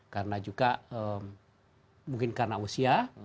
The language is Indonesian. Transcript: karena juga mungkin karena usia